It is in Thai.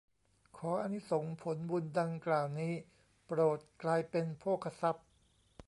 ขออานิสงส์ผลบุญดังกล่าวนี้โปรดกลายเป็นโภคทรัพย์